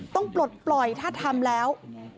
ปลดปล่อยถ้าทำแล้ว